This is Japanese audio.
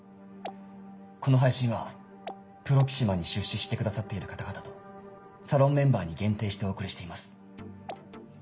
この配信はＰＲＯＸＩＭＡに出資してくださっている方々とサロンメンバーに限定してお送りしています。